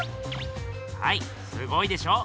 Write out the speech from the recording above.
はいすごいでしょう？